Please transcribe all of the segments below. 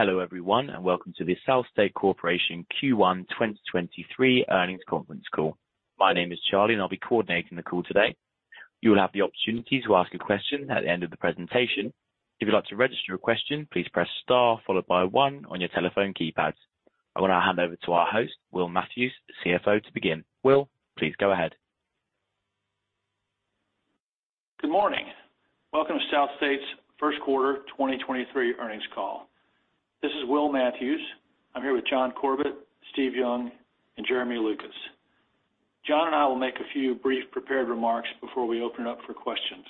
Hello, everyone, and welcome to the SouthState Corporation Q1 2023 Earnings Conference Call. My name is Charlie, and I'll be coordinating the call today. You will have the opportunity to ask a question at the end of the presentation. If you'd like to register your question, please press star followed by one on your telephone keypads. I want to hand over to our host, Will Matthews, CFO, to begin. Will, please go ahead. Good morning. Welcome to SouthState's Q1 2023 earnings call. This is Will Matthews. I'm here with John Corbett, Steve Young, and Jeremy Lucas. John and I will make a few brief prepared remarks before we open it up for questions.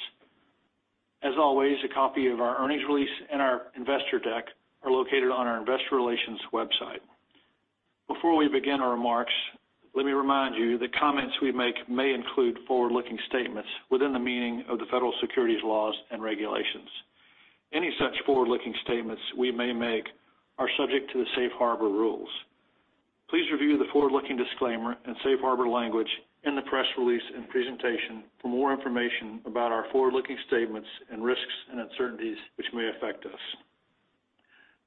As always, a copy of our earnings release and our investor deck are located on our investor relations website. Before we begin our remarks, let me remind you that comments we make may include forward-looking statements within the meaning of the federal securities laws and regulations. Any such forward-looking statements we may make are subject to the safe harbor rules. Please review the forward-looking disclaimer and safe harbor language in the press release and presentation for more information about our forward-looking statements and risks and uncertainties which may affect us.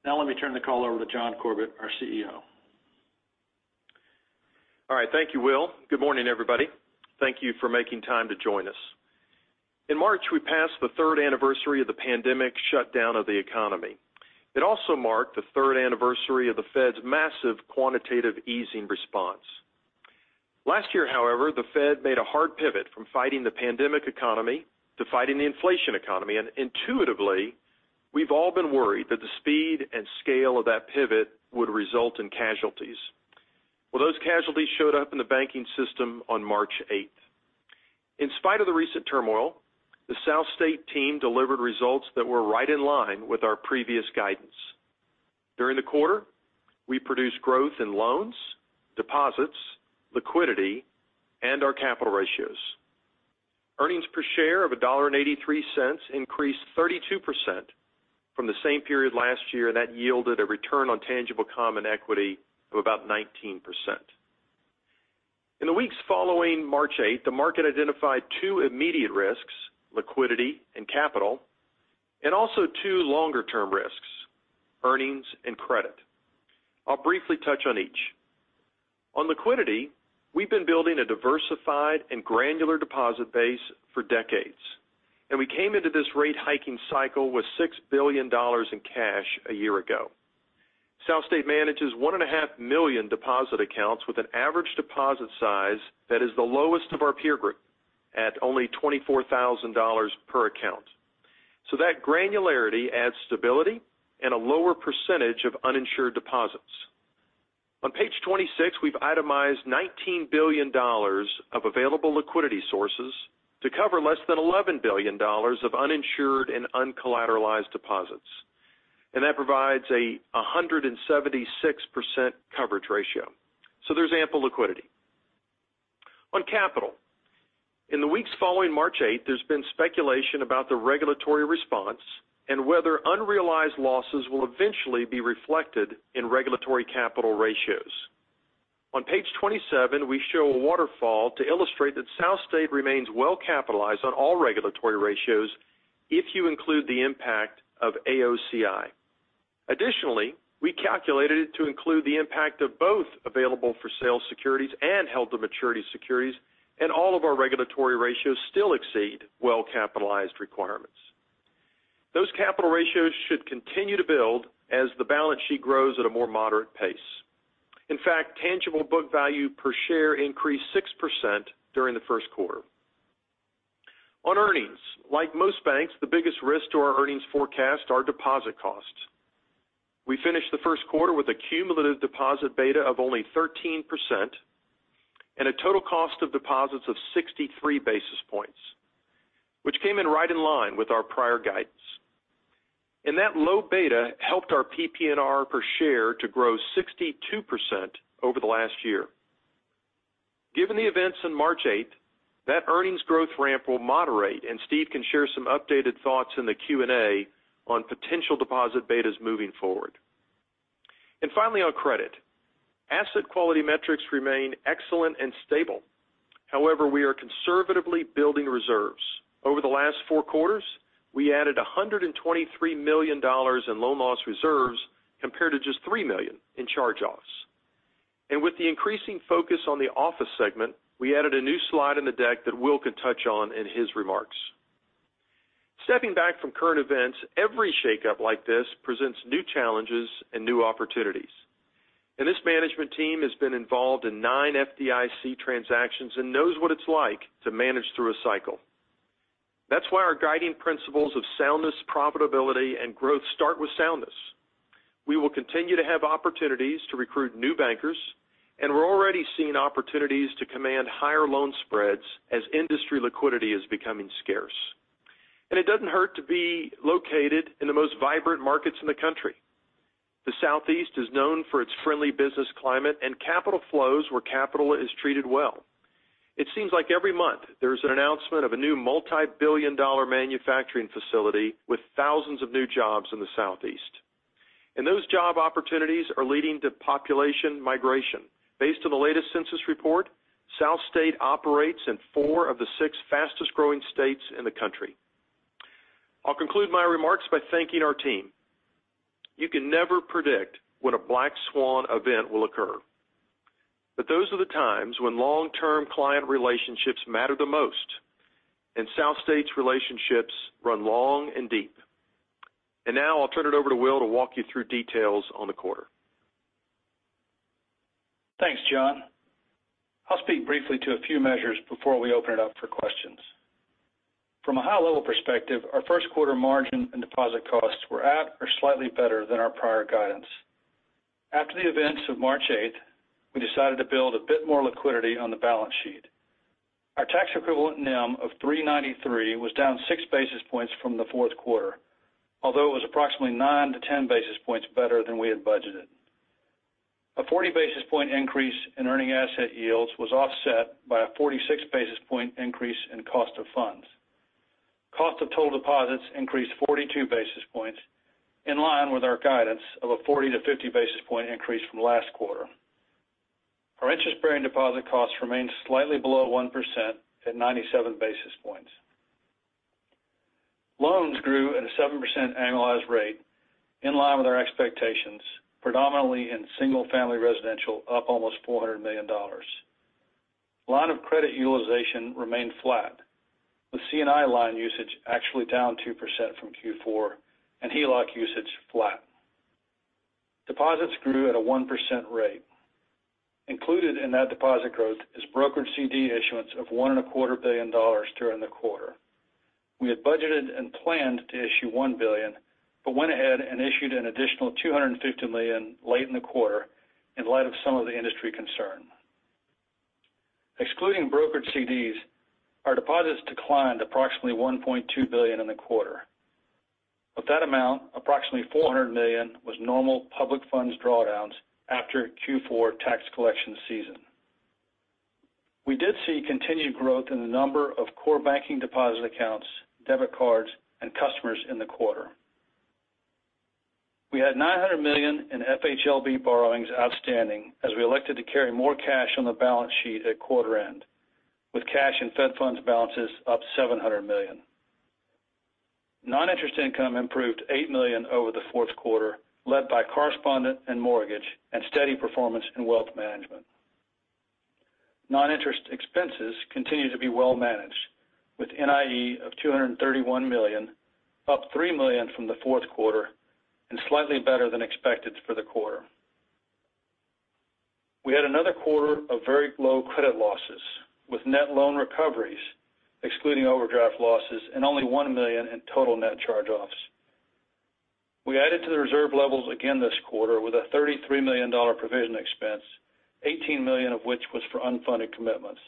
Now, let me turn the call over to John Corbett, our CEO. All right. Thank you, Will. Good morning, everybody. Thank you for making time to join us. In March, we passed the third anniversary of the pandemic shutdown of the economy. It also marked the third anniversary of the Fed's massive quantitative easing response. Last year, however, the Fed made a hard pivot from fighting the pandemic economy to fighting the inflation economy. Intuitively, we've all been worried that the speed and scale of that pivot would result in casualties. Well, those casualties showed up in the banking system on March eighth. In spite of the recent turmoil, the SouthState team delivered results that were right in line with our previous guidance. During the quarter, we produced growth in loans, deposits, liquidity, and our capital ratios. Earnings per share of $1.83 increased 32% from the same period last year. That yielded a return on tangible common equity of about 19%. In the weeks following March 8th, the market identified two immediate risks, liquidity and capital, and also two longer term risks, earnings and credit. I'll briefly touch on each. On liquidity, we've been building a diversified and granular deposit base for decades, and we came into this rate hiking cycle with $6 billion in cash a year ago. SouthState manages 1.5 million deposit accounts with an average deposit size that is the lowest of our peer group at only $24,000 per account. That granularity adds stability and a lower % of uninsured deposits. On page 26, we've itemized $19 billion of available liquidity sources to cover less than $11 billion of uninsured and uncollateralized deposits. That provides a 176% coverage ratio. There's ample liquidity. On capital. In the weeks following March 8th, there's been speculation about the regulatory response and whether unrealized losses will eventually be reflected in regulatory capital ratios. On page 27, we show a waterfall to illustrate that SouthState remains well capitalized on all regulatory ratios if you include the impact of AOCI. Additionally, we calculated it to include the impact of both available for sale securities and held to maturity securities. All of our regulatory ratios still exceed well-capitalized requirements. Those capital ratios should continue to build as the balance sheet grows at a more moderate pace. In fact, tangible book value per share increased 6% during the Q1. On earnings. Like most banks, the biggest risk to our earnings forecast are deposit costs. We finished the Q1 with a cumulative deposit beta of only 13% and a total cost of deposits of 63 basis points, which came in right in line with our prior guidance. That low beta helped our PPNR per share to grow 62% over the last year. Given the events in March 8, that earnings growth ramp will moderate, and Steve can share some updated thoughts in the Q&A on potential deposit betas moving forward. Finally, on credit. Asset quality metrics remain excellent and stable. However, we are conservatively building reserves. Over the last 4 quarters, we added $123 million in loan loss reserves compared to just $3 million in charge-offs. With the increasing focus on the office segment, we added a new slide in the deck that Will could touch on in his remarks. Stepping back from current events, every shakeup like this presents new challenges and new opportunities. This management team has been involved in 9 FDIC transactions and knows what it's like to manage through a cycle. That's why our guiding principles of soundness, profitability, and growth start with soundness. We will continue to have opportunities to recruit new bankers, and we're already seeing opportunities to command higher loan spreads as industry liquidity is becoming scarce. It doesn't hurt to be located in the most vibrant markets in the country. The Southeast is known for its friendly business climate and capital flows where capital is treated well. It seems like every month there's an announcement of a new multi-billion dollar manufacturing facility with thousands of new jobs in the Southeast. Those job opportunities are leading to population migration. Based on the latest census report. SouthState operates in 4 of the 6 fastest growing states in the country. I'll conclude my remarks by thanking our team. You can never predict when a black swan event will occur. Those are the times when long-term client relationships matter the most. SouthState's relationships run long and deep. Now I'll turn it over to Will to walk you through details on the quarter. Thanks, John. I'll speak briefly to a few measures before we open it up for questions. From a high-level perspective, our 1st quarter margin and deposit costs were at or slightly better than our prior guidance. After the events of March 8th, we decided to build a bit more liquidity on the balance sheet. Our tax equivalent NIM of 3.93% was down 6 basis points from the 4th quarter, although it was approximately 9-10 basis points better than we had budgeted. A 40 basis point increase in earning asset yields was offset by a 46 basis point increase in cost of funds. Cost of total deposits increased 42 basis points, in line with our guidance of a 40-50 basis point increase from last quarter. Our interest-bearing deposit costs remained slightly below 1% at 97 basis points. Loans grew at a 7% annualized rate in line with our expectations, predominantly in single-family residential, up almost $400 million. Line of credit utilization remained flat, with C&I line usage actually down 2% from Q4 and HELOC usage flat. Deposits grew at a 1% rate. Included in that deposit growth is brokered CD issuance of one and a quarter billion dollars during the quarter. We had budgeted and planned to issue $1 billion, went ahead and issued an additional $250 million late in the quarter in light of some of the industry concern. Excluding brokered CDs, our deposits declined approximately $1.2 billion in the quarter. Of that amount, approximately $400 million was normal public funds drawdowns after Q4 tax collection season. We did see continued growth in the number of core banking deposit accounts, debit cards, and customers in the quarter. We had $900 million in FHLB borrowings outstanding as we elected to carry more cash on the balance sheet at quarter end, with cash and Fed funds balances up $700 million. Non-interest income improved $8 million over the Q4, led by correspondent and mortgage and steady performance in wealth management. Non-interest expenses continue to be well managed with NIE of $231 million, up $3 million from the Q4 and slightly better than expected for the quarter. We had another quarter of very low credit losses with net loan recoveries, excluding overdraft losses and only $1 million in total net charge-offs. We added to the reserve levels again this quarter with a $33 million provision expense, $18 million of which was for unfunded commitments.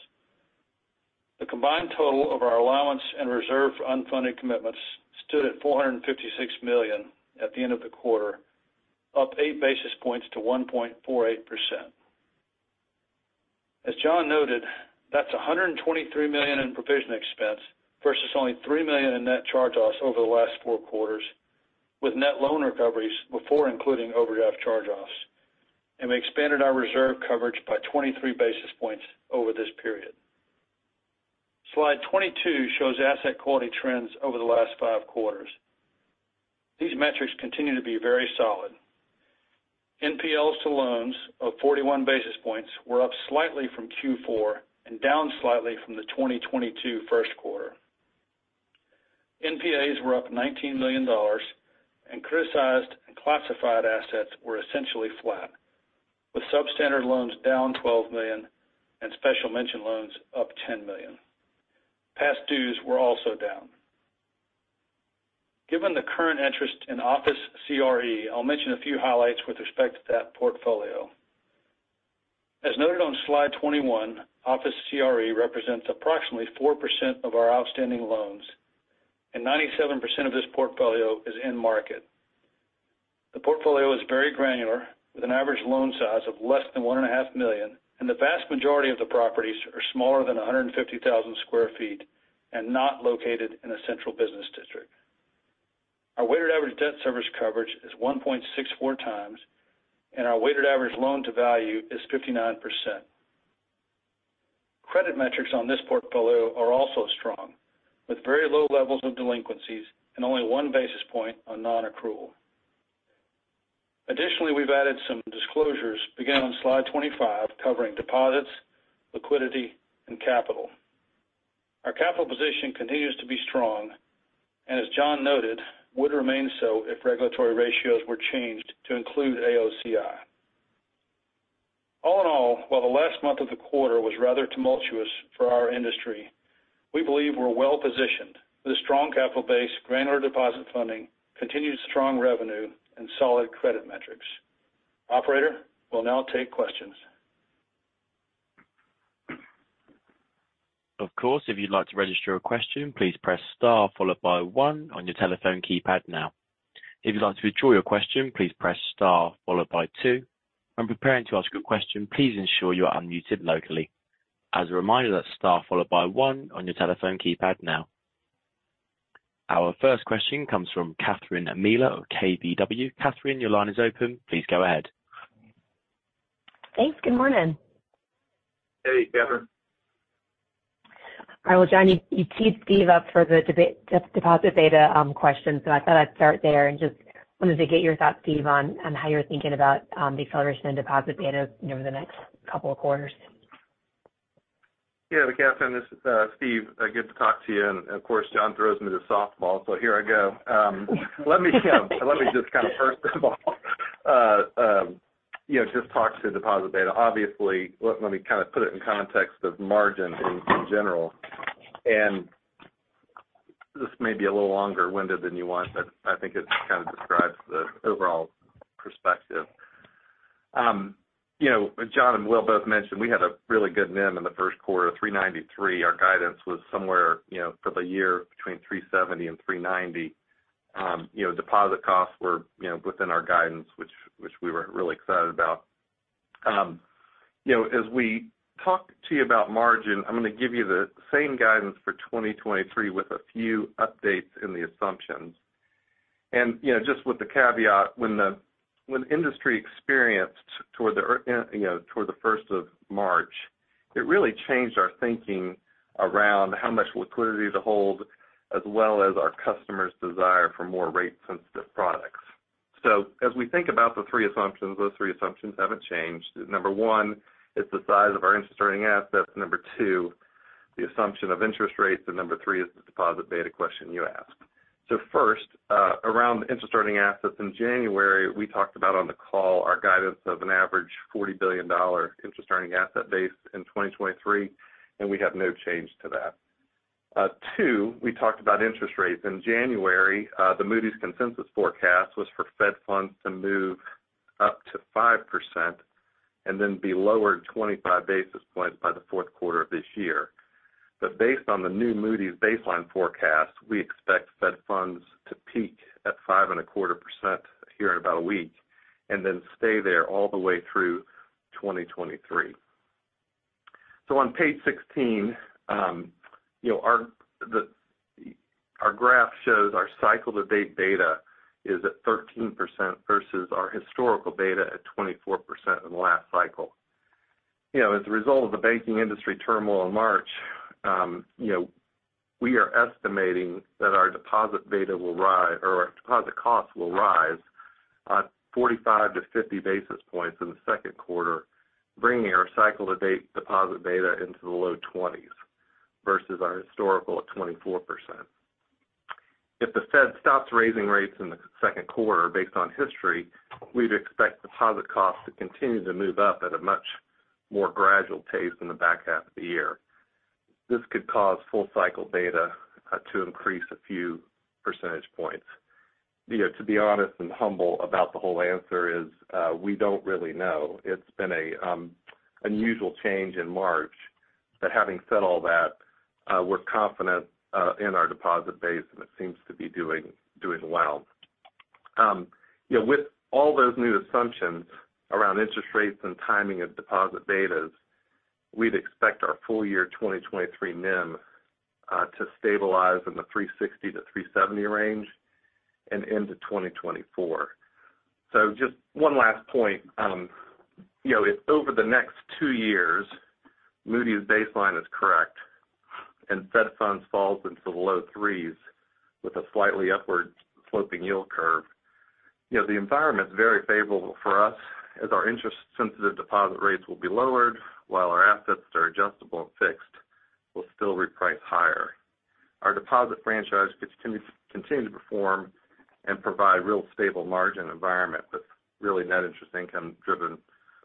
The combined total of our allowance and reserve for unfunded commitments stood at $456 million at the end of the quarter, up 8 basis points to 1.48%. As John noted, that's a $123 million in provision expense versus only $3 million in net charge-offs over the last four quarters with net loan recoveries before including overdraft charge-offs. We expanded our reserve coverage by 23 basis points over this period. Slide 22 shows asset quality trends over the last five quarters. These metrics continue to be very solid. NPLs to loans of 41 basis points were up slightly from Q4 and down slightly from the 2022 Q1. NPAs were up $19 million and criticized and classified assets were essentially flat, with substandard loans down $12 million and special mention loans up $10 million. Past dues were also down. Given the current interest in office CRE, I'll mention a few highlights with respect to that portfolio. As noted on slide 21, office CRE represents approximately 4% of our outstanding loans, and 97% of this portfolio is in market. The portfolio is very granular with an average loan size of less than $1.5 million, and the vast majority of the properties are smaller than 150,000 sq ft and not located in a central business district. Our weighted average debt service coverage is 1.64 times, and our weighted average loan to value is 59%. Credit metrics on this portfolio are also strong, with very low levels of delinquencies and only 1 basis point on non-accrual. Additionally, we've added some disclosures beginning on slide 25 covering deposits, liquidity, and capital. Our capital position continues to be strong, and as John noted, would remain so if regulatory ratios were changed to include AOCI. All in all, while the last month of the quarter was rather tumultuous for our industry, we believe we're well positioned with a strong capital base, granular deposit funding, continued strong revenue, and solid credit metrics. Operator, we'll now take questions. Of course, if you'd like to register a question, please press star followed by one on your telephone keypad now. If you'd like to withdraw your question, please press star followed by two. When preparing to ask a question, please ensure you are unmuted locally. As a reminder, that's star followed by one on your telephone keypad now. Our first question comes from Catherine Mealor of KBW. Catherine, your line is open. Please go ahead. Thanks. Good morning. Hey, Catherine. All right. Well, John, you teed Steve up for the deposit beta question, so I thought I'd start there and just wanted to get your thoughts, Steve, on how you're thinking about the acceleration in deposit beta, you know, over the next couple of quarters. Yeah, Catherine, this is Steve. Good to talk to you. Of course, John throws me the softball, so here I go. Let me just kind of first of all, you know, just talk to the deposit beta. Obviously, let me kind of put it in context of margin in general. This may be a little longer-winded than you want, but I think it kind of describes the overall perspective. You know, as John and Will both mentioned, we had a really good NIM in the Q1, 3.93%. Our guidance was somewhere, you know, for the year between 3.70% and 3.90%. You know, deposit costs were, you know, within our guidance, which we were really excited about. You know, as we talk to you about margin, I'm going to give you the same guidance for 2023 with a few updates in the assumptions. You know, just with the caveat, when industry experienced toward the first of March, it really changed our thinking around how much liquidity to hold, as well as our customers' desire for more rate-sensitive products. As we think about the three assumptions, those three assumptions haven't changed. Number one is the size of our interest-earning assets. Number two, the assumption of interest rates, and number three is the deposit beta question you asked. First, around interest-earning assets in January, we talked about on the call our guidance of an average $40 billion interest-earning asset base in 2023, and we have no change to that. Two, we talked about interest rates. In January, the Moody's consensus forecast was for Fed funds to move up to 5% and then be lowered 25 basis points by Q4 of this year. Based on the new Moody's baseline forecast, we expect Fed funds to peak at 5.25% here in about a week, and then stay there all the way through 2023. On page 16, you know, our graph shows our cycle-to-date beta is at 13% versus our historical beta at 24% in the last cycle. You know, as a result of the banking industry turmoil in March, you know, we are estimating that our deposit beta or our deposit costs will rise on 45-50 basis points in the Q2, bringing our cycle-to-date deposit beta into the low 20s versus our historical at 24%. If the Fed stops raising rates in the Q2 based on history, we'd expect deposit costs to continue to move up at a much more gradual pace in the back half of the year. This could cause full cycle beta to increase a few percentage points. You know, to be honest and humble about the whole answer is, we don't really know. It's been a unusual change in March. Having said all that, we're confident in our deposit base, and it seems to be doing well. You know, with all those new assumptions around interest rates and timing of deposit betas, we'd expect our full year 2023 NIM to stabilize in the 3.60%-3.70% range and into 2024. Just one last point. You know, if over the next two years, Moody's baseline is correct and Fed funds falls into the low 3s% with a slightly upward sloping yield curve, you know, the environment's very favorable for us as our interest-sensitive deposit rates will be lowered while our assets that are adjustable and fixed will still reprice higher. Our deposit franchise gets to continue to perform and provide real stable margin environment, but really net interest income driven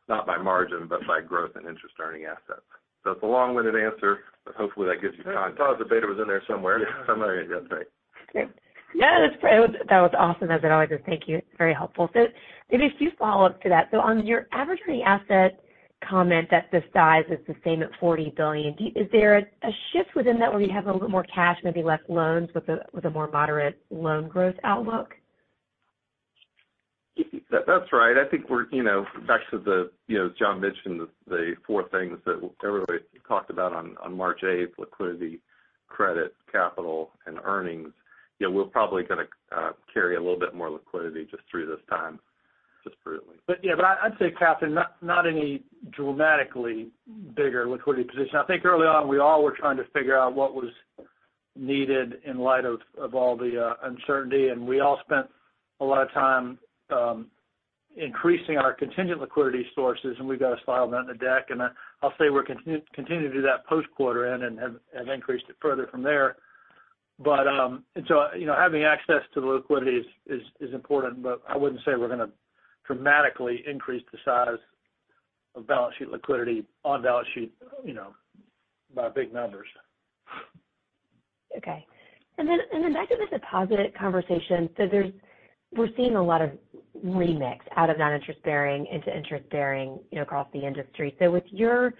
not by margin, but by growth in interest-earning assets. It's a long-winded answer, but hopefully that gives you confidence. I can tell the beta was in there somewhere. Yeah. That's great. That was awesome as it always is. Thank you. Very helpful. Maybe a few follow-ups to that. On your average earning asset comment that the size is the same at $40 billion, is there a shift within that where you have a little more cash, maybe less loans with a more moderate loan growth outlook? That's right. I think we're, you know, back to the, as John mentioned, the four things that everybody talked about on March eighth, liquidity, credit, capital, and earnings. You know, we're probably gonna carry a little bit more liquidity just through this time, just prudently. Yeah. I'd say, Catherine, not any dramatically bigger liquidity position. I think early on, we all were trying to figure out what was needed in light of all the uncertainty, and we all spent a lot of time increasing our contingent liquidity sources, and we've got a slide on that in the deck. I'll say we're continuing to do that post quarter and increased it further from there. you know, having access to the liquidity is important, but I wouldn't say we're gonna dramatically increase the size of balance sheet liquidity on balance sheet, you know, by big numbers. Back to the deposit conversation. We're seeing a lot of remix out of non-interest bearing into interest bearing, you know, across the industry. With your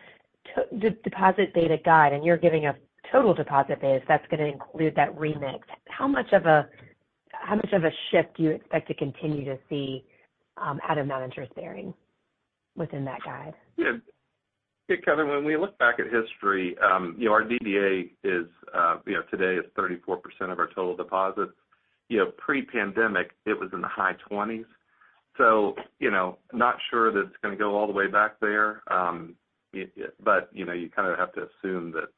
deposit beta guide, and you're giving a total deposit base that's gonna include that remix, how much of a shift do you expect to continue to see out of non-interest bearing within that guide? Yeah. Hey, Catherine, when we look back at history, you know, our DDA is, you know, today is 34% of our total deposits. You know, pre-pandemic, it was in the high 20s. Not sure that it's gonna go all the way back there, but, you know, you kind of have to assume that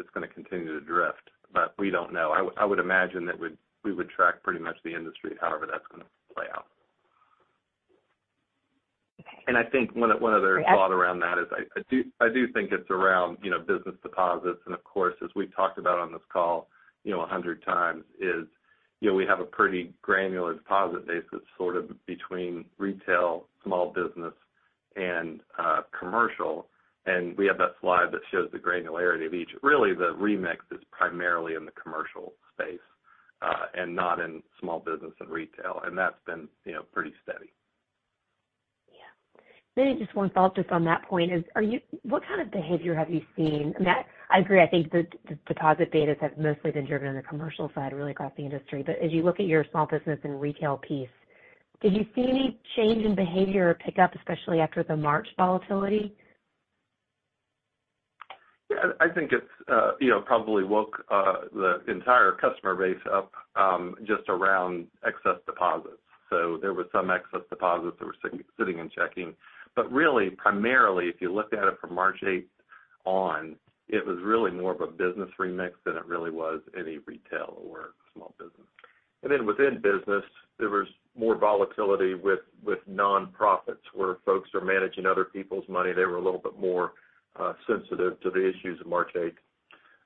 it's gonna continue to drift. We don't know. I would imagine that we would track pretty much the industry, however that's gonna play out. Okay. I think one other thought around that is I do think it's around, you know, business deposits. Of course, as we've talked about on this call, you know, 100 times is, you know, we have a pretty granular deposit base that's sort of between retail, small business, and commercial. We have that slide that shows the granularity of each. Really, the remix is primarily in the commercial space and not in small business and retail. That's been, you know, pretty steady. Yeah. Maybe just one thought just on that point is, what kind of behavior have you seen? That I agree, I think the deposit betas have mostly been driven on the commercial side, really across the industry. As you look at your small business and retail piece, did you see any change in behavior or pickup, especially after the March volatility? Yeah, I think it's, you know, probably woke the entire customer base up just around excess deposits. There was some excess deposits that were sitting in checking. Really, primarily, if you looked at it from March eighth on, it was really more of a business remix than it really was any retail or small business. Within business, there was more volatility with nonprofits, where folks are managing other people's money. They were a little bit more sensitive to the issues of March eighth.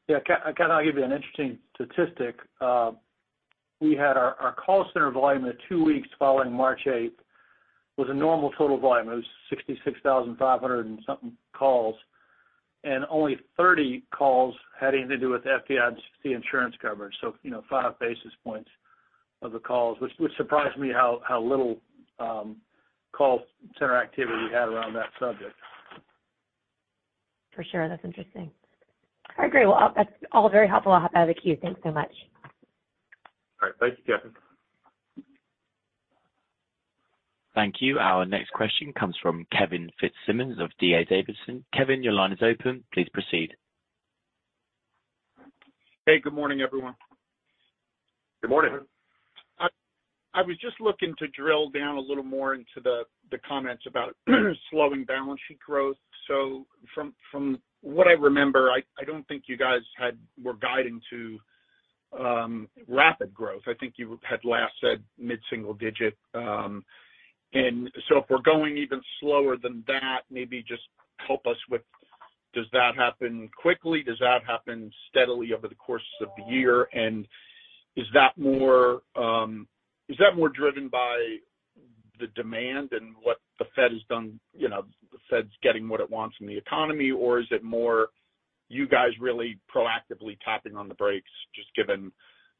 Yeah. Can I give you an interesting statistic? We had our call center volume the two weeks following March eighth was a normal total volume. It was 66,500 and something calls, only 30 calls had anything to do with FDIC insurance coverage. You know, 5 basis points of the calls, which surprised me how little call center activity we had around that subject. For sure. That's interesting. I agree. Well, that's all very helpful. I'll out of the queue. Thanks so much. All right. Thank you, Catherine. Thank you. Our next question comes from Kevin Fitzsimmons of D.A. Davidson. Kevin, your line is open. Please proceed. Hey, good morning, everyone. Good morning. I was just looking to drill down a little more into the comments about slowing balance sheet growth. From, from what I remember, I don't think you guys were guiding to rapid growth. I think you had last said mid-single digit. If we're going even slower than that, maybe just help us with does that happen quickly? Does that happen steadily over the course of the year? Is that more, is that more driven by the demand and what the Fed has done, you know, the Fed's getting what it wants from the economy? Is it more you guys really proactively tapping on the brakes just given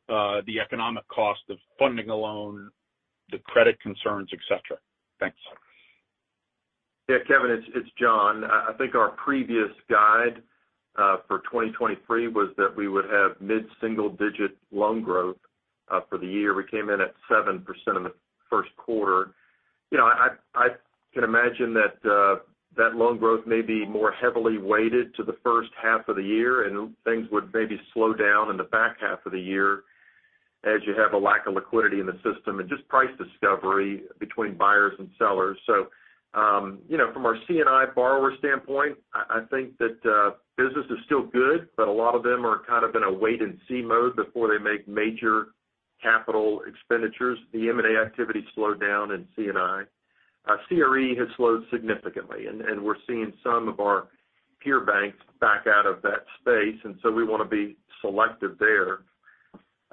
the economic cost of funding a loan, the credit concerns, et cetera? Thanks. Kevin, it's John. I think our previous guide for 2023 was that we would have mid-single digit loan growth for the year. We came in at 7% in the Q1. You know, I can imagine that loan growth may be more heavily weighted to the first half of the year, and things would maybe slow down in the back half of the year as you have a lack of liquidity in the system and just price discovery between buyers and sellers. You know, from our C&I borrower standpoint, I think that business is still good, but a lot of them are kind of in a wait and see mode before they make major capital expenditures. The M&A activity slowed down in C&I. CRE has slowed significantly, and we're seeing some of our peer banks back out of that space. We want to be selective there.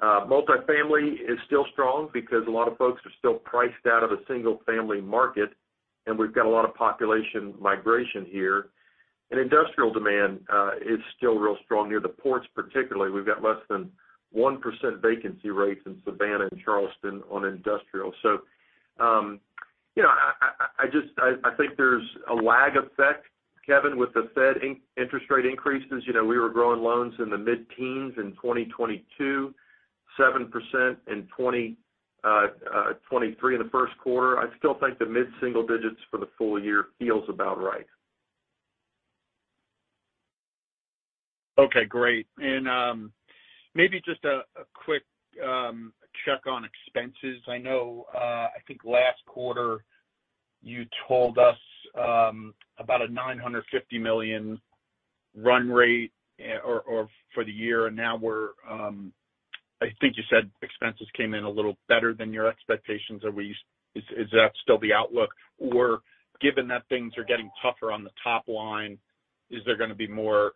Multifamily is still strong because a lot of folks are still priced out of the single-family market, and we've got a lot of population migration here. Industrial demand is still real strong near the ports particularly. We've got less than 1% vacancy rates in Savannah and Charleston on industrial. You know, I think there's a lag effect, Kevin, with the Fed interest rate increases. You know, we were growing loans in the mid-teens in 2022, 7% in 2023 in the Q1. I still think the mid-single digits for the full year feels about right. Okay, great. Maybe just a quick check on expenses. I know, I think last quarter you told us about a $950 million run rate or for the year. Now we're, I think you said expenses came in a little better than your expectations. Is that still the outlook? Or given that things are getting tougher on the top line, is there gonna be more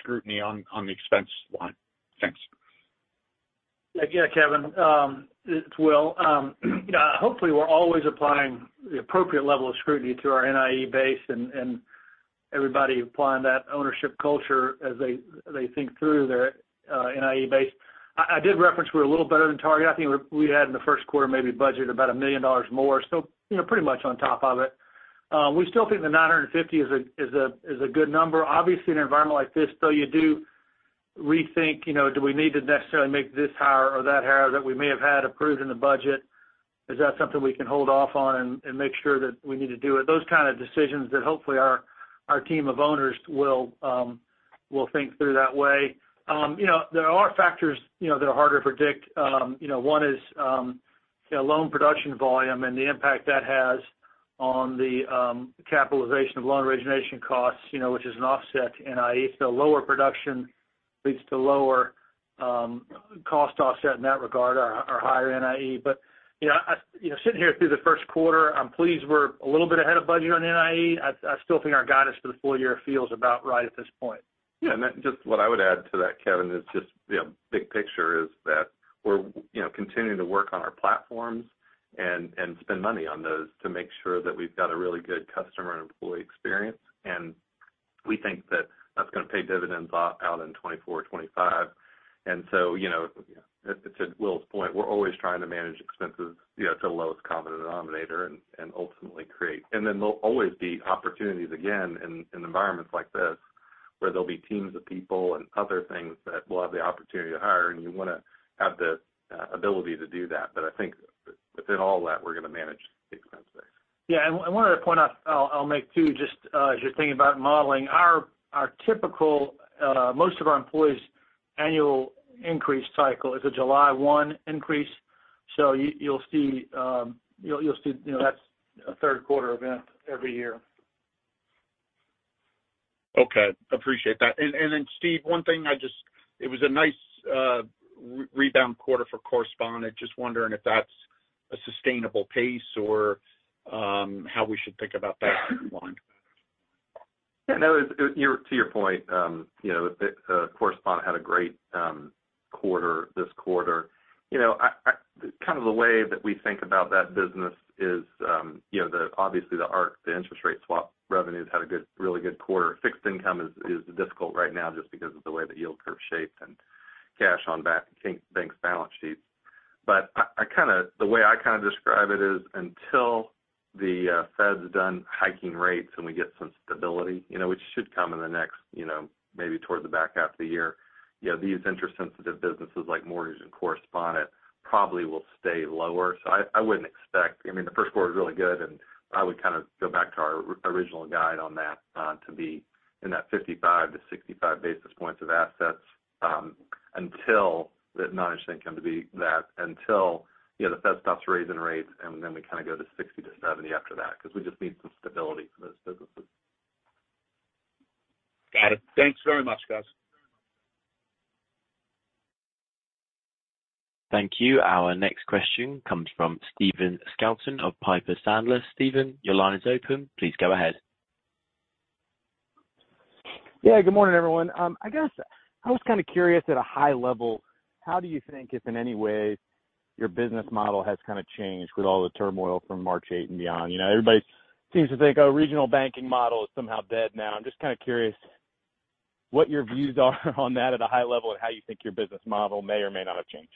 scrutiny on the expense line? Thanks. Yeah, Kevin, it's Will. You know, hopefully, we're always applying the appropriate level of scrutiny to our NIE base and everybody applying that ownership culture as they think through their NIE base. I did reference we're a little better than target. I think we had in the Q1 maybe budgeted about $1 million more. You know, pretty much on top of it. We still think the 950 is a good number. Obviously, in an environment like this, though, you do rethink, you know, do we need to necessarily make this hire or that hire that we may have had approved in the budget? Is that something we can hold off on and make sure that we need to do it? Those kind of decisions that hopefully our team of owners will think through that way. You know, there are factors, you know, that are hard to predict. You know, one is loan production volume and the impact that has on the capitalization of loan origination costs, you know, which is an offset to NIE. Lower production leads to lower cost offset in that regard or higher NIE. You know, sitting here through the Q1, I'm pleased we're a little bit ahead of budget on NIE. I still think our guidance for the full year feels about right at this point. Yeah. Just what I would add to that, Kevin, is just, you know, big picture is that we're, you know, continuing to work on our platforms and spend money on those to make sure that we've got a really good customer and employee experience. We think that that's gonna pay dividends out in 2024, 2025. You know, to Will's point, we're always trying to manage expenses, you know, to the lowest common denominator and ultimately create. There'll always be opportunities again in environments like this, where there'll be teams of people and other things that we'll have the opportunity to hire, and you wanna have the ability to do that. I think within all that, we're gonna manage the expense base. Yeah. One other point I'll make, too, just, as you're thinking about modeling. Our, our typical, most of our employees annual increase cycle is a July one increase. You'll see, you'll see, you know, that's a Q3 event every year. Okay. Appreciate that. Steve, one thing I just it was a nice, rebound quarter for correspondent. Just wondering if that's a sustainable pace or how we should think about that going forward. Yeah, no. To your point, you know, the correspondent had a great quarter this quarter. You know, I kind of the way that we think about that business is, you know, obviously the arc, the interest rate swap revenues had a good, really good quarter. Fixed income is difficult right now just because of the way the yield curve is shaped and cash on bank's balance sheets. I kinda, the way I kinda describe it is, until the Fed's done hiking rates and we get some stability, you know, which should come in the next, you know, maybe towards the back half of the year, you know, these interest sensitive businesses like mortgage and correspondent probably will stay lower. I wouldn't expect, I mean, the Q1 is really good, and I would kind of go back to our original guide on that, to be in that 55 to 65 basis points of assets, until the non-interest income to be that. Until, you know, the Fed stops raising rates and then we kind of go to 60 to 70 after that, because we just need some stability for those businesses. Got it. Thanks very much, guys. Thank you. Our next question comes from Stephen Scouten of Piper Sandler. Steven, your line is open. Please go ahead. Yeah, good morning, everyone. I guess I was kind of curious at a high level, how do you think if in any way your business model has kind of changed with all the turmoil from March 8 and beyond? You know, everybody seems to think, oh, regional banking model is somehow dead now. I'm just kind of curious what your views are on that at a high level and how you think your business model may or may not have changed?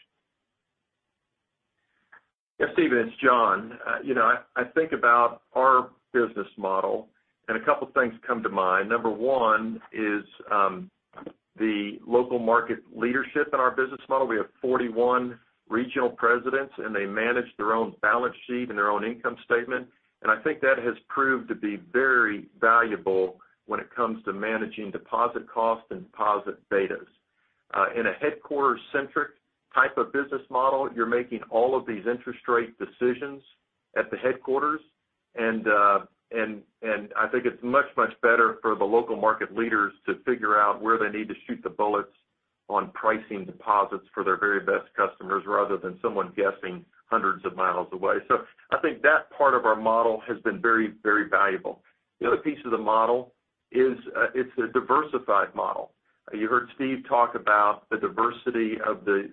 Yeah, Steven, it's John. you know, I think about our business model and a couple things come to mind. Number one is, the local market leadership in our business model. We have 41 regional presidents, and they manage their own balance sheet and their own income statement. I think that has proved to be very valuable when it comes to managing deposit costs and deposit betas. In a headquarter-centric type of business model, you're making all of these interest rate decisions at the headquarters. I think it's much, much better for the local market leaders to figure out where they need to shoot the bullets on pricing deposits for their very best customers rather than someone guessing hundreds of miles away. I think that part of our model has been very, very valuable. The other piece of the model is, it's a diversified model. You heard Steve talk about the diversity of the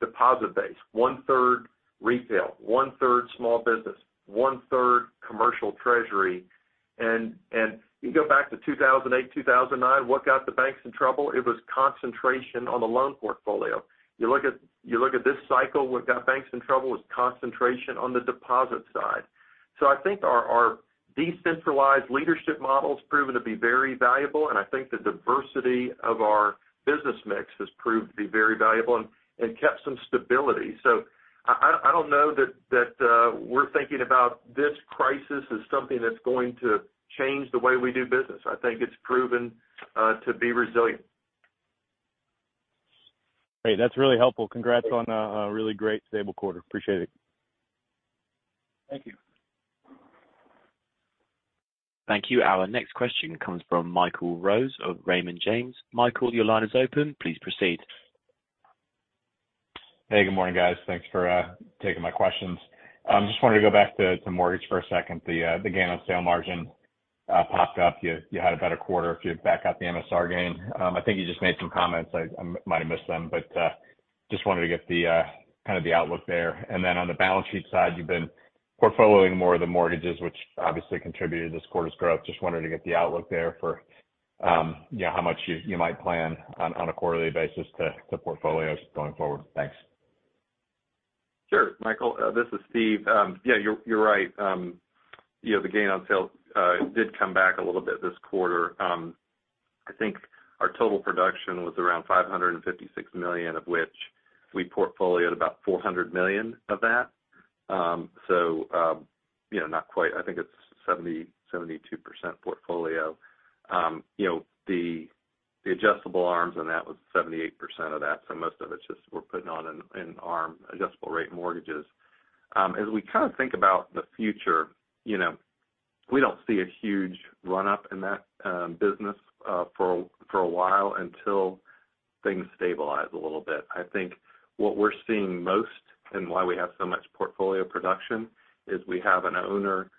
deposit base. One-third retail, one-third small business, one-third commercial treasury. You go back to 2008, 2009, what got the banks in trouble? It was concentration on the loan portfolio. You look at this cycle, what got banks in trouble was concentration on the deposit side. I think our decentralized leadership model has proven to be very valuable, and I think the diversity of our business mix has proved to be very valuable and kept some stability. I don't know that we're thinking about this crisis as something that's going to change the way we do business. I think it's proven to be resilient. Great. That's really helpful. Congrats on a really great stable quarter. Appreciate it. Thank you. Thank you. Our next question comes from Michael Rose of Raymond James. Michael, your line is open. Please proceed. Hey, good morning, guys. Thanks for taking my questions. Just wanted to go back to mortgage for a second. The gain on sale margin popped up. You had a better quarter if you back out the MSR gain. I think you just made some comments. I might have missed them, but just wanted to get the kind of the outlook there. On the balance sheet side, you've been portfolioing more of the mortgages, which obviously contributed to this quarter's growth. Just wanted to get the outlook there for, you know, how much you might plan on a quarterly basis to portfolios going forward. Thanks. Sure, Michael Rose, this is Steve Young. Yeah, you're right. You know, the gain on sales did come back a little bit this quarter. I think our total production was around $556 million, of which we portfolio-ed about $400 million of that. You know, not quite, I think it's 70%-72% portfolio. You know, the adjustable ARMs on that was 78% of that, so most of it's just we're putting on an ARM, adjustable rate mortgages. As we kind of think about the future, you know, we don't see a huge run-up in that business for a while until things stabilize a little bit. I think what we're seeing most and why we have so much portfolio production is we have an owner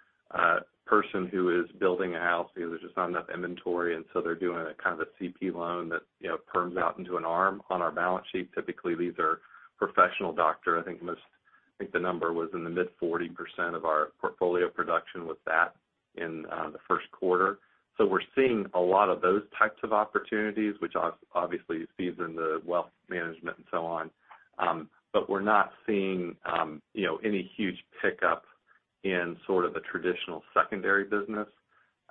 person who is building a house. You know, there's just not enough inventory. They're doing a kind of a CP loan that, you know, firms out into an ARM on our balance sheet. Typically, these are professional doctor. I think the number was in the mid 40% of our portfolio production was that in the Q1. We're seeing a lot of those types of opportunities, which obviously feeds into wealth management and so on. We're not seeing, you know, any huge pickup in sort of the traditional secondary business,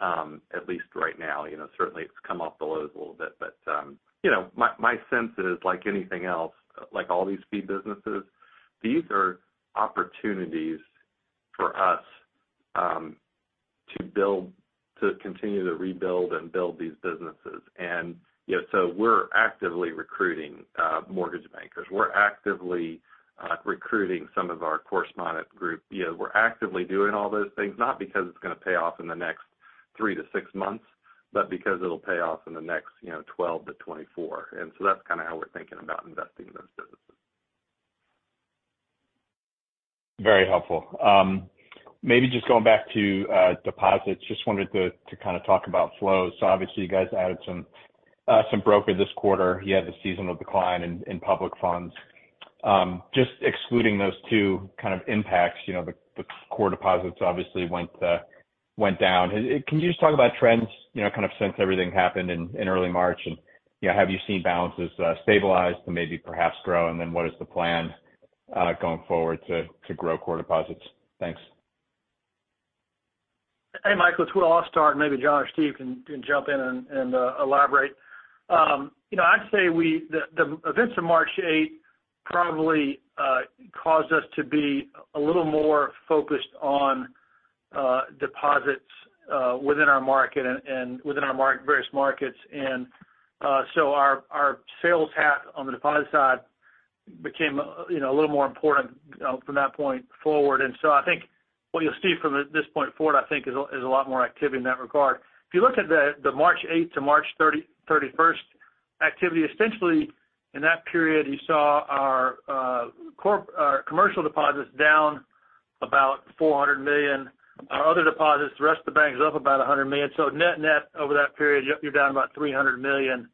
at least right now. You know, certainly it's come off the lows a little bit. You know, my sense is like anything else, like all these fee businesses, these are opportunities for us to build, to continue to rebuild and build these businesses. You know, so we're actively recruiting mortgage bankers. We're actively recruiting some of our correspondent group. You know, we're actively doing all those things, not because it's gonna pay off in the next 3-6 months, but because it'll pay off in the next, you know, 12-24. So that's kind of how we're thinking about investing in those businesses. Very helpful. Maybe just going back to deposits. Just wanted to kind of talk about flows. Obviously you guys added some broker this quarter. You had the seasonal decline in public funds. Just excluding those two kind of impacts, you know, the core deposits obviously went down. Can you just talk about trends, you know, kind of since everything happened in early March? You know, have you seen balances stabilize to maybe perhaps grow? What is the plan going forward to grow core deposits? Thanks. Hey, Michael, it's Will. I'll start, and maybe John or Steve can jump in and elaborate. You know, I'd say the events of March 8th probably caused us to be a little more focused on deposits within our market and within our various markets. So our sales hat on the deposit side became, you know, a little more important, you know, from that point forward. I think what you'll see from this point forward, I think, is a lot more activity in that regard. If you look at the March 8th to March 31st activity, essentially in that period you saw our commercial deposits down about $400 million. Our other deposits, the rest of the bank is up about $100 million. Net-net over that period, yep, you're down about $300 million.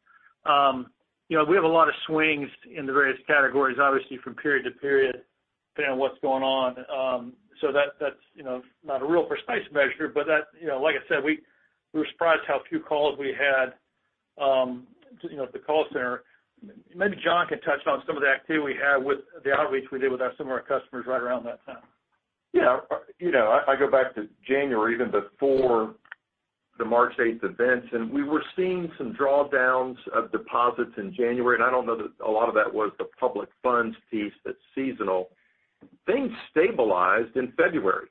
You know, we have a lot of swings in the various categories, obviously from period to period, depending on what's going on. That, that's, you know, not a real precise measure, but that, you know, like I said, we were surprised how few calls we had, to, you know, at the call center. Maybe John can touch on some of the activity we had with the outreach we did with our, some of our customers right around that time. Yeah. You know, I go back to January, even before the March eighth events. We were seeing some drawdowns of deposits in January. I don't know that a lot of that was the public funds piece that's seasonal. Things stabilized in February.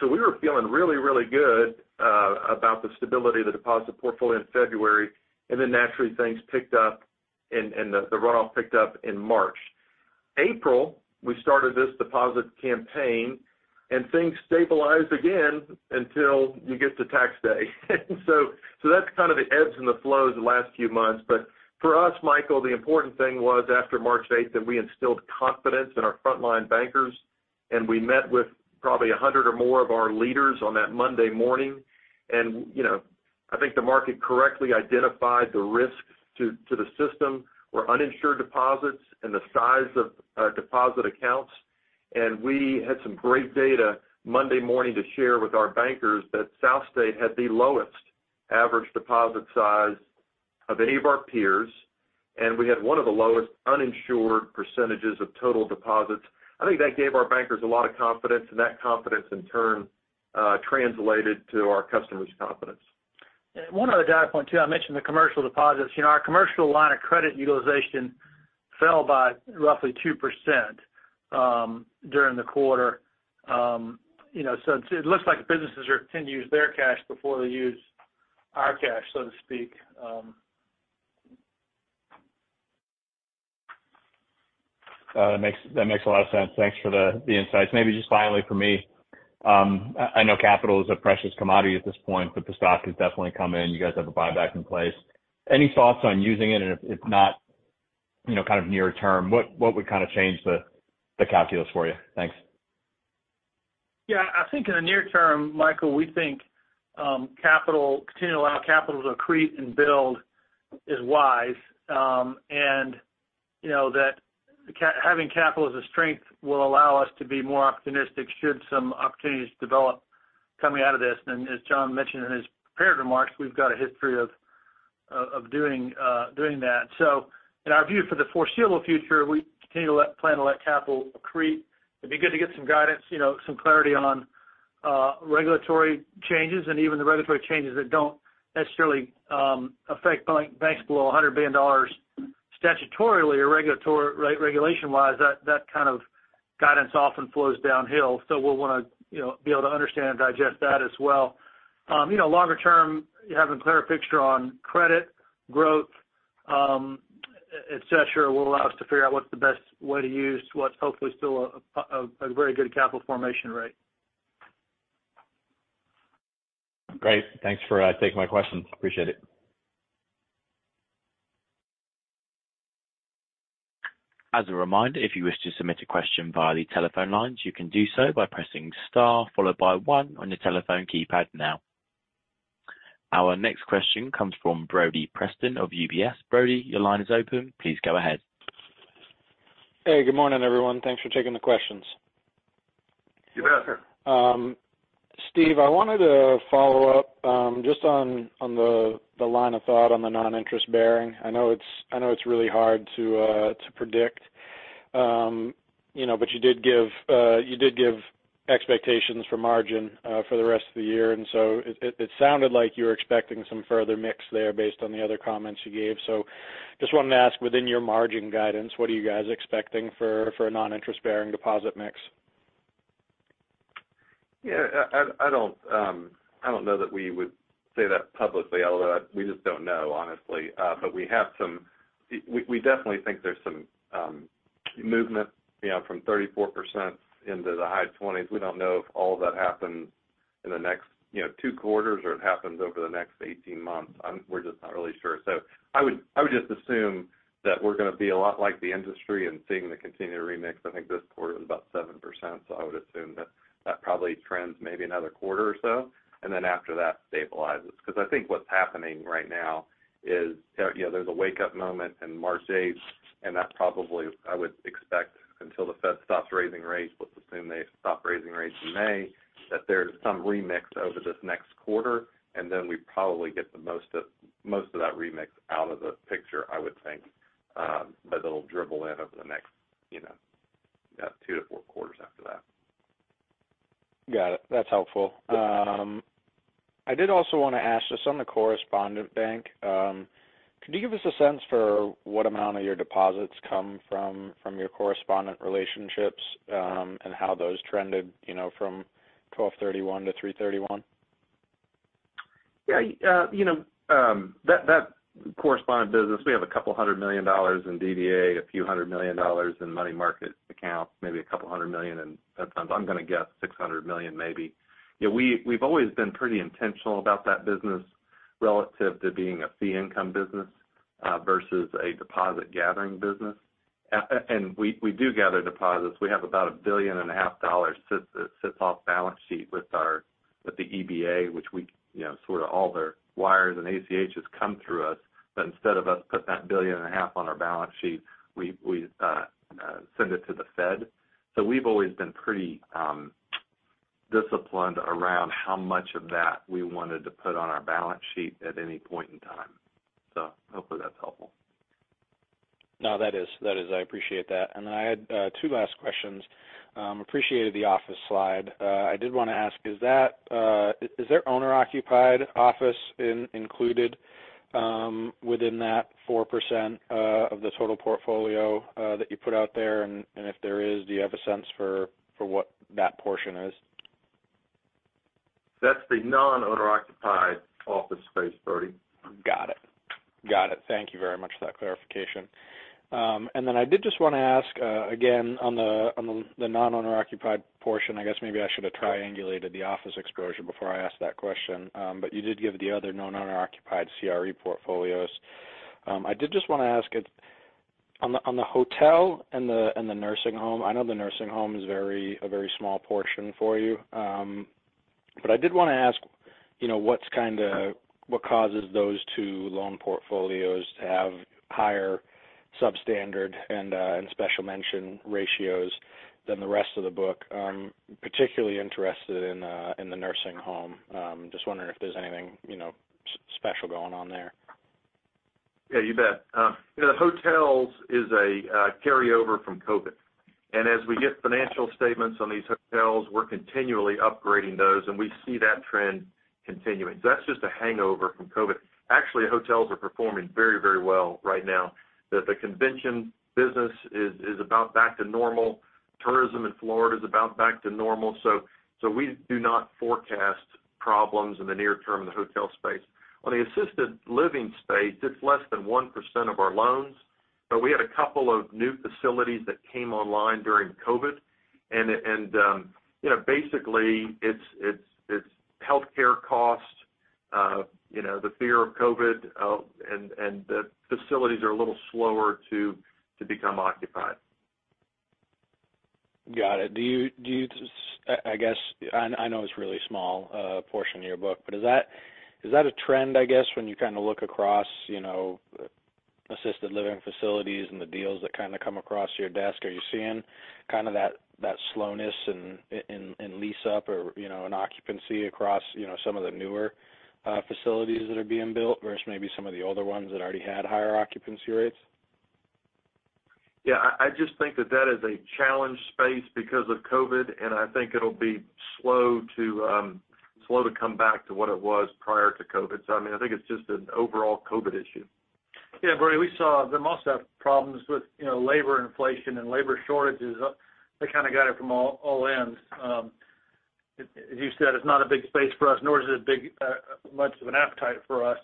We were feeling really, really good about the stability of the deposit portfolio in February, and then naturally things picked up and the runoff picked up in March. April, we started this deposit campaign, and things stabilized again until you get to tax day. That's kind of the ebbs and the flows the last few months. For us, Michael, the important thing was after March eighth that we instilled confidence in our frontline bankers, and we met with probably 100 or more of our leaders on that Monday morning. You know, I think the market correctly identified the risks to the system were uninsured deposits and the size of deposit accounts. We had some great data Monday morning to share with our bankers that SouthState had the lowest average deposit size of any of our peers, and we had one of the lowest uninsured percentages of total deposits. I think that gave our bankers a lot of confidence, and that confidence in turn translated to our customers' confidence. One other data point, too, I mentioned the commercial deposits. You know, our commercial line of credit utilization fell by roughly 2% during the quarter. You know, so it looks like businesses tend to use their cash before they use our cash, so to speak. That makes a lot of sense. Thanks for the insights. Maybe just finally for me. I know capital is a precious commodity at this point, but the stock has definitely come in. You guys have a buyback in place. Any thoughts on using it? If not, you know, kind of near term, what would kind of change the calculus for you? Thanks. Yeah. I think in the near term, Michael, we think, capital, continuing to allow capital to accrete and build is wise. You know, that having capital as a strength will allow us to be more opportunistic should some opportunities develop coming out of this. As John mentioned in his prepared remarks, we've got a history of Of doing that. In our view, for the foreseeable future, we continue to plan to let capital accrete. It'd be good to get some guidance, you know, some clarity on regulatory changes and even the regulatory changes that don't necessarily affect banks below $100 billion statutorily or re-regulation-wise. That kind of guidance often flows downhill. We'll wanna, you know, be able to understand and digest that as well. You know, longer term, having a clearer picture on credit growth, et cetera, will allow us to figure out what's the best way to use what's hopefully still a very good capital formation rate. Great. Thanks for taking my question. Appreciate it. As a reminder, if you wish to submit a question via the telephone lines, you can do so by pressing star followed by one on your telephone keypad now. Our next question comes from Brody Preston of UBS. Brody, your line is open. Please go ahead. Hey, good morning, everyone. Thanks for taking the questions. You bet, sir. Steve, I wanted to follow up, just on the line of thought on the non-interest bearing. I know it's, I know it's really hard to predict, you know, but you did give, you did give expectations for margin for the rest of the year. It, it sounded like you're expecting some further mix there based on the other comments you gave. Just wanted to ask, within your margin guidance, what are you guys expecting for a non-interest-bearing deposit mix? Yeah, I don't know that we would say that publicly, although we just don't know, honestly. We have some... We definitely think there's some movement, you know, from 34% into the high 20s. We don't know if all that happens in the next, you know, 2 quarters or it happens over the next 18 months. We're just not really sure. I would just assume that we're gonna be a lot like the industry and seeing the continued remix. I think this quarter is about 7%, so I would assume that that probably trends maybe another quarter or so, and then after that stabilizes. I think what's happening right now is there, you know, there's a wake-up moment in March 8th, and that probably, I would expect until the Fed stops raising rates. Let's assume they stop raising rates in May, that there's some remix over this next quarter, and then we probably get the most of that remix out of the picture, I would think. It'll dribble in over the next, you know, yeah, two to four quarters after that. Got it. That's helpful. I did also wanna ask, just on the correspondent bank, could you give us a sense for what amount of your deposits come from your correspondent relationships, and how those trended, you know, from 12/31 to 3/31? Yeah, you know, that correspondent business, we have $200 million in DDA, $300 million in money market accounts, maybe $200 million in Fed funds. I'm gonna guess $600 million maybe. Yeah, we've always been pretty intentional about that business relative to being a fee income business versus a deposit gathering business. We do gather deposits. We have about $1.5 billion sits off balance sheet with the EBA, which we, you know, sort of all their wires and ACHs come through us. Instead of us putting that $1.5 billion on our balance sheet, we send it to the Fed. We've always been pretty disciplined around how much of that we wanted to put on our balance sheet at any point in time. Hopefully that's helpful. No, that is. That is. I appreciate that. I had 2 last questions. Appreciated the office slide. I did wanna ask, is that, is there owner-occupied office included within that 4% of the total portfolio that you put out there? If there is, do you have a sense for what that portion is? That's the non-owner occupied office space, Brodie. Got it. Got it. Thank you very much for that clarification. I did just wanna ask again, on the non-owner occupied portion, I guess maybe I should have triangulated the office exposure before I asked that question. You did give the other non-owner occupied CRE portfolios. I did just wanna ask on the hotel and the nursing home, I know the nursing home is a very small portion for you. I did wanna ask, you know, what causes those two loan portfolios to have higher substandard and special mention ratios than the rest of the book. I'm particularly interested in the nursing home. Just wondering if there's anything, you know, special going on there. Yeah, you bet. You know, the hotels is a carryover from COVID. As we get financial statements on these hotels, we're continually upgrading those, and we see that trend continuing. That's just a hangover from COVID. Actually, hotels are performing very, very well right now. The convention business is about back to normal. Tourism in Florida is about back to normal. We do not forecast problems in the near term in the hotel space. On the assisted living space, it's less than 1% of our loans. We had a couple of new facilities that came online during COVID. You know, basically it's healthcare costs, you know, the fear of COVID, and the facilities are a little slower to become occupied. Got it. Do you, I guess I know it's a really small portion of your book, but is that a trend, I guess, when you kinda look across, you know? Assisted living facilities and the deals that kind of come across your desk, are you seeing kind of that slowness in lease up or, you know, in occupancy across, you know, some of the newer facilities that are being built versus maybe some of the older ones that already had higher occupancy rates? Yeah. I just think that that is a challenged space because of COVID, and I think it'll be slow to come back to what it was prior to COVID. I mean, I think it's just an overall COVID issue. Yeah, Brody, we saw them also have problems with, you know, labor inflation and labor shortages. They kind of got it from all ends. As you said, it's not a big space for us, nor is it a big much of an appetite for us.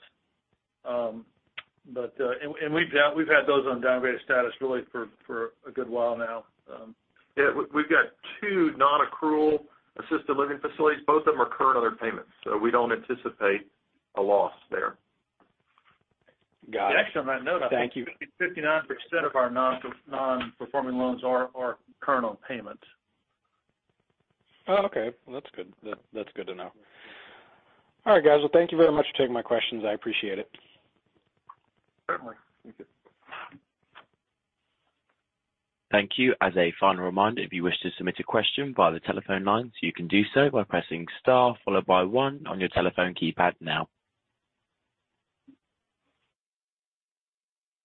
We've had those on downgraded status really for a good while now. Yeah. We've got two non-accrual assisted living facilities. Both of them are current on their payments, so we don't anticipate a loss there. Got it. Actually, on that note, I think. Thank you. 59% of our non-performing loans are current on payments. Oh, okay. Well, that's good. That's good to know. All right, guys. Well, thank you very much for taking my questions. I appreciate it. Certainly. Thank you. Thank you. As a final reminder, if you wish to submit a question via the telephone lines, you can do so by pressing star followed by one on your telephone keypad now.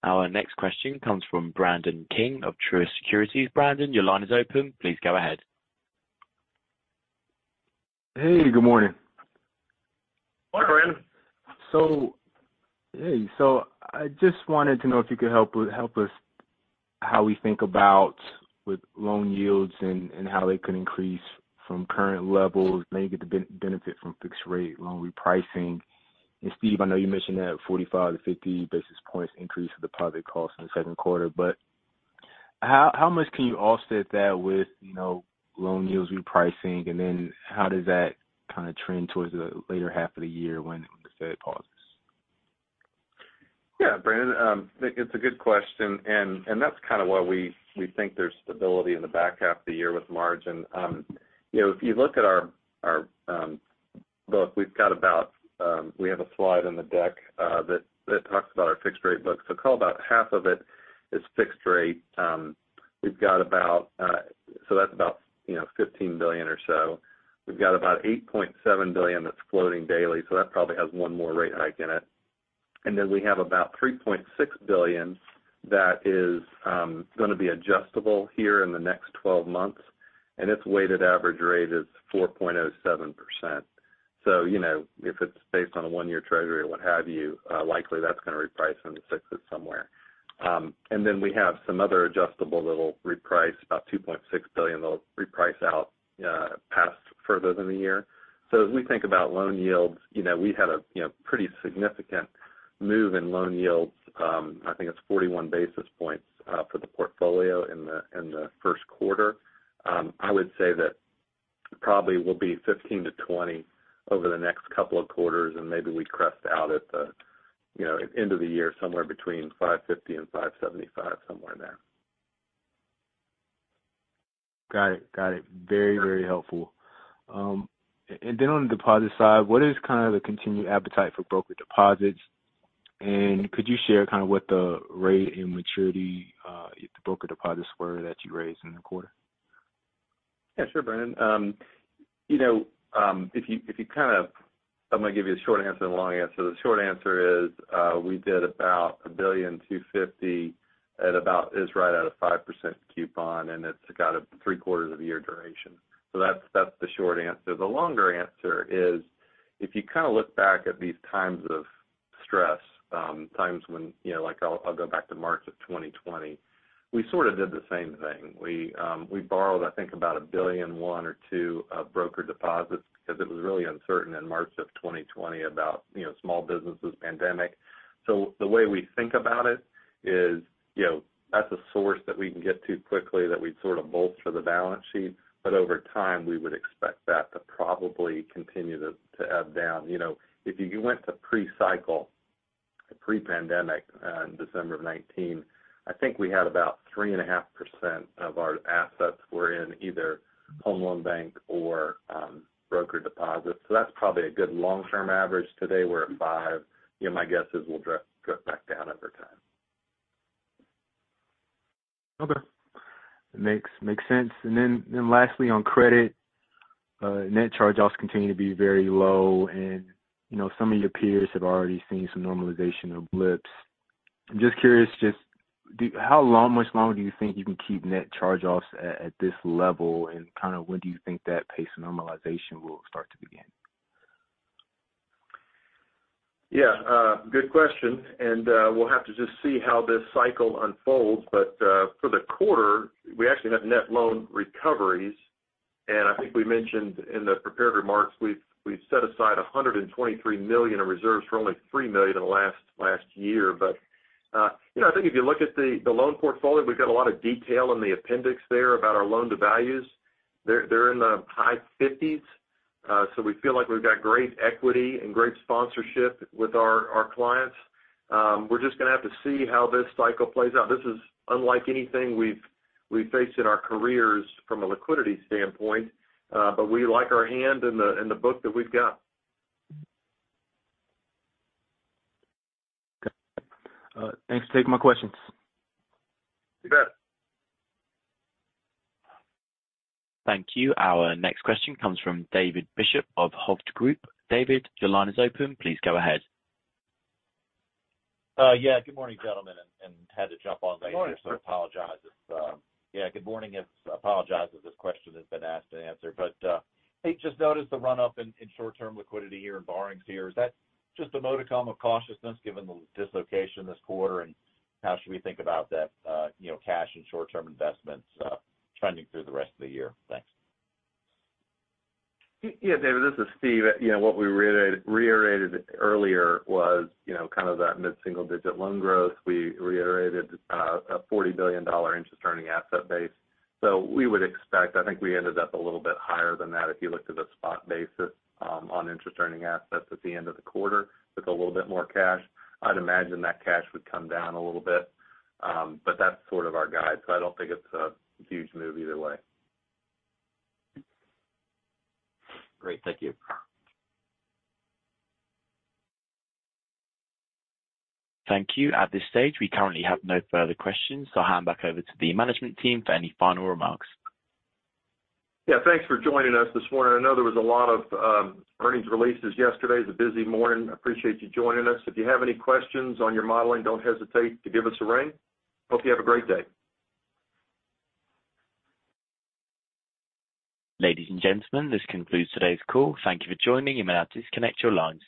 Our next question comes from Brandon King of Truist Securities. Brandon, your line is open. Please go ahead. Hey, good morning. Morning, Brandon. Hey. I just wanted to know if you could help us how we think about with loan yields and how they could increase from current levels, maybe get the benefit from fixed rate loan repricing. Steve, I know you mentioned that 45 to 50 basis points increase of the deposit costs in the Q2, but how much can you offset that with, you know, loan yields repricing? How does that kind of trend towards the later half of the year when the Fed pauses? Yeah, Brandon, it's a good question. That's kind of why we think there's stability in the back half of the year with margin. You know, if you look at our book, we've got about... We have a slide in the deck that talks about our fixed rate book. Call it about half of it is fixed rate. We've got about, so that's about, you know, $15 billion or so. We've got about $8.7 billion that's floating daily, so that probably has one more rate hike in it. We have about $3.6 billion that is gonna be adjustable here in the next 12 months, and its weighted average rate is 4.07%. You know, if it's based on a one-year Treasury or what have you, likely that's gonna reprice in the 6s somewhere. We have some other adjustable that'll reprice. About $2.6 billion that'll reprice out past further than the year. As we think about loan yields, you know, we had a, you know, pretty significant move in loan yields, I think it's 41 basis points for the portfolio in the Q1. I would say that probably we'll be 15 to 20 basis points over the next couple of quarters, and maybe we crest out at the, you know, end of the year somewhere between 5.50% and 5.75%, somewhere in there. Got it. Got it. Very, very helpful. Then on the deposit side, what is kind of the continued appetite for broker deposits? Could you share kind of what the rate and maturity, the broker deposits were that you raised in the quarter? Sure, Brandon. You know, if you kind of I'm gonna give you a short answer and a long answer. The short answer is, we did about $1.25 billion at about is right at a 5% coupon, and it's got a three-quarters of a year duration. That's the short answer. The longer answer is, if you kind of look back at these times of stress, times when, you know, like I'll go back to March of 2020, we sort of did the same thing. We borrowed, I think, about $1.1 billion or $1.2 billion of broker deposits because it was really uncertain in March of 2020 about, you know, small businesses, pandemic. The way we think about it is, you know, that's a source that we can get to quickly that we'd sort of bolster the balance sheet. Over time, we would expect that to probably continue to ebb down. You know, if you went to pre-cycle, pre-pandemic, in December of 2019, I think we had about 3.5% of our assets were in either Home Loan Bank or broker deposits. That's probably a good long-term average. Today we're at 5%. You know, my guess is we'll drop back down over time. Okay. Makes sense. Lastly, on credit, net charge-offs continue to be very low and, you know, some of your peers have already seen some normalization of blips. I'm just curious, just how long, much longer do you think you can keep net charge-offs at this level? Kind of when do you think that pace of normalization will start to begin? Yeah, good question. We'll have to just see how this cycle unfolds. For the quarter, we actually have net loan recoveries. I think we mentioned in the prepared remarks, we've set aside $123 million in reserves for only $3 million in the last year. You know, I think if you look at the loan portfolio, we've got a lot of detail in the appendix there about our loan to values. They're in the high 50s, so we feel like we've got great equity and great sponsorship with our clients. We're just gonna have to see how this cycle plays out. This is unlike anything we've faced in our careers from a liquidity standpoint, but we like our hand in the book that we've got. Okay. Thanks for taking my questions. You bet. Thank you. Our next question comes from David Bishop of Hovde Group. David, your line is open. Please go ahead. Yeah, good morning, gentlemen, and had to jump on. Good morning. Yeah, good morning. Apologize if this question has been asked and answered, I think just noticed the run-up in short-term liquidity here and borrowings here. Is that just a modicum of cautiousness given the dislocation this quarter, and how should we think about that, you know, cash and short-term investments, trending through the rest of the year? Thanks. Yeah, David, this is Steve. You know, what we reiterated earlier was, you know, kind of that mid-single digit loan growth. We reiterated a $40 billion interest earning asset base. We would expect, I think we ended up a little bit higher than that if you looked at a spot basis on interest earning assets at the end of the quarter with a little bit more cash. I'd imagine that cash would come down a little bit. But that's sort of our guide, I don't think it's a huge move either way. Great. Thank you. Thank you. At this stage, we currently have no further questions. I'll hand back over to the management team for any final remarks. Thanks for joining us this morning. I know there was a lot of earnings releases yesterday. It was a busy morning. Appreciate you joining us. If you have any questions on your modeling, don't hesitate to give us a ring. Hope you have a great day. Ladies and gentlemen, this concludes today's call. Thank you for joining. You may now disconnect your lines.